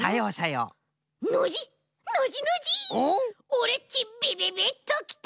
オレっちビビビッときた！